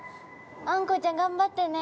あんこうちゃん頑張ってね。